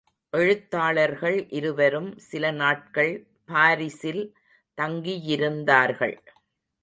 எழுத்தாளர்கள் இருவரும் சில நாட்கள் பாரிஸில் தங்கியிருந்தார்கள்.